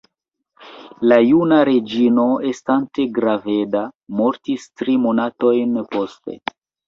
La juna reĝino, estante graveda, mortis tri monatojn poste.